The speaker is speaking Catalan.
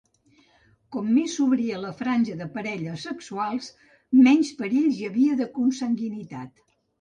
Com més s'obria la franja de parelles sexuals, menys perills hi havia de consanguinitat.